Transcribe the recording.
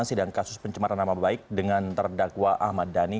sidang kasus pencemaran nama baik dengan terdakwa ahmad dhani